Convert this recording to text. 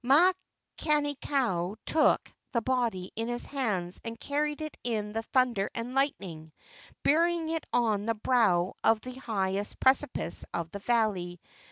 Makani kau took the body in his hands and carried it in the thunder and lightning, burying it on the brow of the high¬ est precipice of the valley.